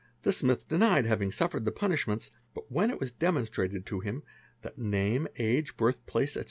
'The smith denied having suffered the punishments, but wh 2 it was demonstrated to him that name, age, birthplace, etc.